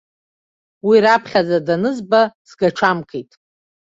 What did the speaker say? Уи раԥхьаӡа данызба сгачамкит.